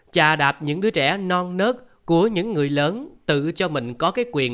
chà đạp những đứa trẻ non nớt của những người lớn tự cho mình có cái quyền